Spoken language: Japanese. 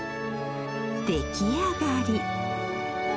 出来上がり。